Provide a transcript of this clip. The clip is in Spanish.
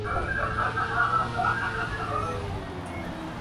Artistas, administrados por Stardust Promotion en el pasado.